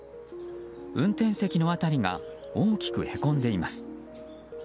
運転席の辺りが大きくへこんでいます。